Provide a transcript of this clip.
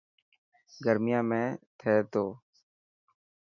گرميان ۾........ٿي تو.